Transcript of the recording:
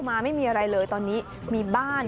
ไม่มีอะไรเลยตอนนี้มีบ้าน